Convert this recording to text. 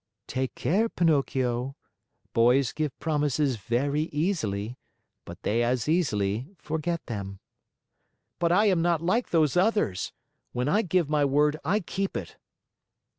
"Take care, Pinocchio! Boys give promises very easily, but they as easily forget them." "But I am not like those others. When I give my word I keep it."